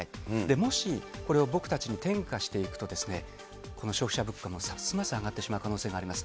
もし、これを僕たちに転嫁していくと、この消費者物価もますます上がってしまう恐れがあります。